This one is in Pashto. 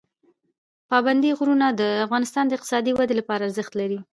پابندی غرونه د افغانستان د اقتصادي ودې لپاره ارزښت لري.